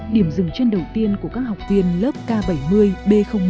điểm dừng chân đầu tiên của các học viên lớp k bảy mươi b năm